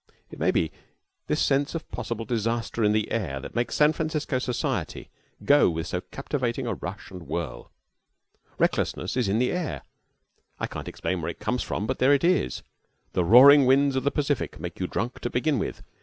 It may be this sense of possible disaster in the air that makes San Francisco society go with so captivating a rush and whirl. Recklessness is in the air. I can't explain where it comes from, but there it is. The roaring winds of the Pacific make you drunk to begin with.